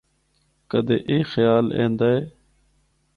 کدے اے خیال ایندا ہے۔